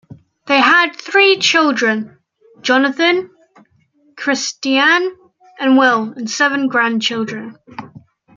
They had three children, Jonathan, Christianne and Will, and seven grandchildren.